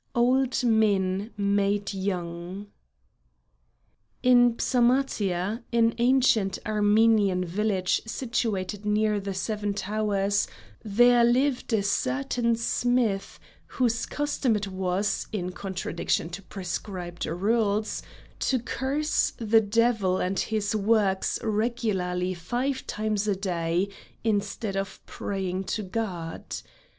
OLD MEN MADE YOUNG In Psamatia, an ancient Armenian village situated near the Seven Towers, there lived a certain smith, whose custom it was, in contradiction to prescribed rules, to curse the devil and his works regularly five times a day instead of praying to God.